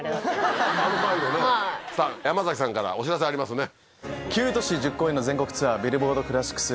さぁ山崎さんからお知らせありますね。